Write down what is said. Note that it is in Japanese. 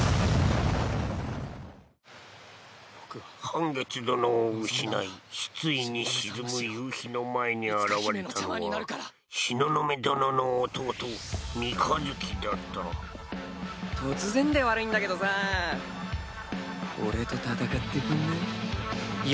半月殿を失い失意に沈む夕日の前に現れたのは東雲殿の弟三日月だった突然で悪いんだけどさ俺と戦ってくんない？